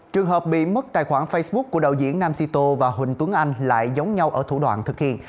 trường hợp bị mất tài khoản facebook của đạo diễn nam cito và huỳnh tuấn anh lại giống nhau ở thủ đoạn thực hiện